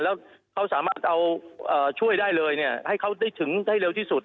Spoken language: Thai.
แล้วเขาสามารถเอาช่วยได้เลยให้เขาได้ถึงได้เร็วที่สุด